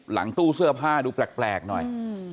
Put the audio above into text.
หลังตู้เสื้อผ้าดูแปลกหน่อย